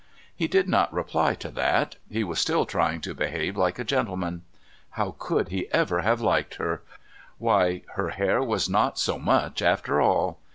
He did not reply to that; he was still trying to behave like a gentleman. How could he ever have liked her? Why, her hair was not so much after all.